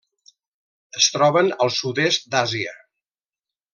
Es troben al Sud-est d'Àsia.